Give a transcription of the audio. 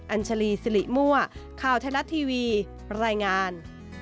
อัญชาลีสิริมัวข้าวทะลัดทีวีรายงาน